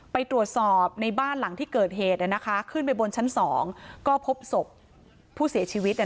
ไปตรวจสอบในบ้านหลังที่เกิดเหตุขึ้นไปบนชั้นสองก็พบศพผู้เสียชีวิต